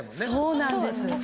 そうなんです。